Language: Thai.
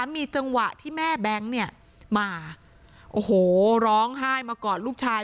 มีจังหวะที่แม่แบงค์เนี่ยมาโอ้โหร้องไห้มากอดลูกชาย